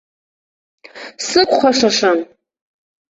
Сықәхәашашам.